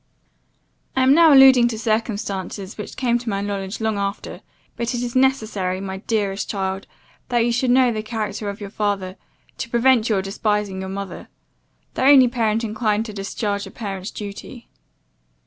"I am now alluding to circumstances which came to my knowledge long after; but it is necessary, my dearest child, that you should know the character of your father, to prevent your despising your mother; the only parent inclined to discharge a parent's duty.